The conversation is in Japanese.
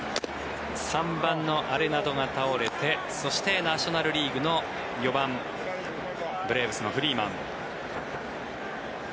３番のアレナドが倒れてそしてナショナル・リーグの４番ブレーブスのフリーマン。